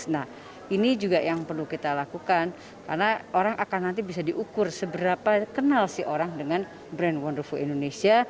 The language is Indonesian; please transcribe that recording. nah ini juga yang perlu kita lakukan karena orang akan nanti bisa diukur seberapa kenal sih orang dengan brand wonderful indonesia